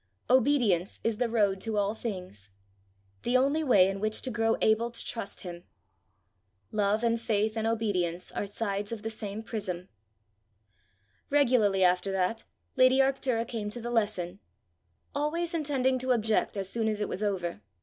Obedience is the road to all things the only way in which to grow able to trust him. Love and faith and obedience are sides of the same prism. Regularly after that, lady Arctura came to the lesson always intending to object as soon as it was over.